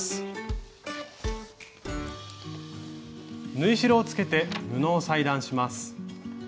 縫い代をつけて布を裁断します。